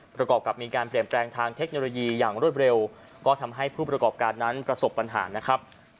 ประกอบกับมีการเปลี่ยนแปลงทางเทคโนโลยีอย่างรวดเร็วก็ทำให้ผู้ประกอบการนั้นประสบปัญหานะครับ